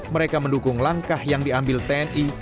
mereka mendukung langkah yang diambil tni